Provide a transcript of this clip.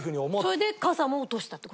それでかさも落としたって事？